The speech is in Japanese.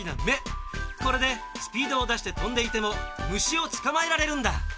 これでスピードをだしてとんでいてもむしをつかまえられるんだ。